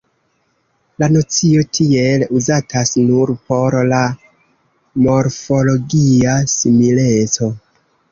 La nocio tiel uzatas nur por la morfologia simileco.